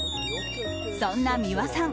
そんな三輪さん